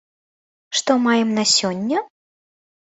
Што маем на сёння?